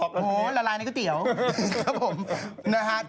กินแล้วเหรอโหละลายในก๋วเตี๋ยวครับผม